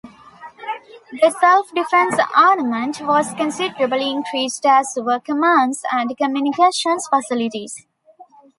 The self-defence armament was considerably increased as were command and communications facilities.